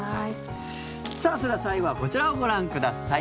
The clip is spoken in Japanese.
さあ、それでは最後はこちらをご覧ください。